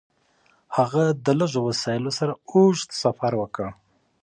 هغه د لږو وسایلو سره اوږد سفر وکړ.